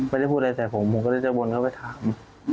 ไม่ได้พูดอะไรใส่ผมผมก็เลยจะวนเข้าไปถาม